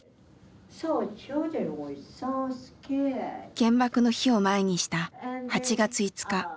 原爆の日を前にした８月５日。